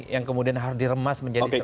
yang kemudian diremas menjadi serangga